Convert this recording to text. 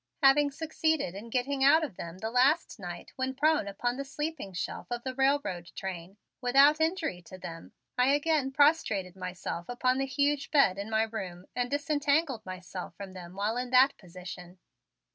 Having succeeded in getting out of them the last night when prone upon the sleeping shelf of the railroad train, without injury to them, I again prostrated myself upon the huge bed in my room and disentangled myself from them while in that position.